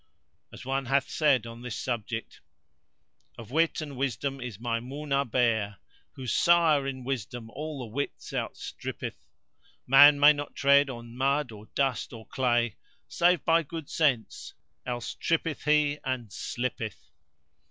As one hath said on this subject:— Of wit and wisdom is Maymunah[FN#98] bare * Whose sire in wisdom all the wits outstrippeth: Man may not tread on mud or dust or clay * Save by good sense, else trippeth he and slippeth.